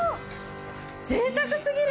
ぜいたく過ぎる！